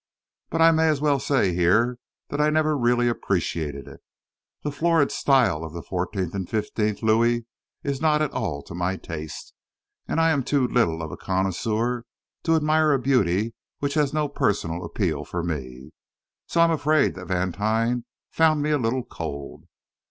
But I may as well say here that I never really appreciated it. The florid style of the Fourteenth and Fifteenth Louis is not at all to my taste; and I am too little of a connoisseur to admire a beauty which has no personal appeal for me. So I am afraid that Vantine found me a little cold.